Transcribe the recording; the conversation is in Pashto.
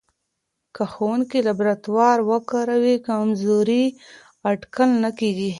که ښوونکی لابراتوار وکاروي، کمزوری اټکل نه کېږي.